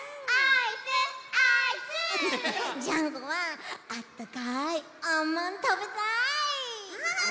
ジャンコはあったかいあんまんたべたい！キャハハ！